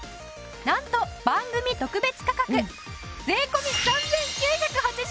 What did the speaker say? なんと番組特別価格税込３９８０円です！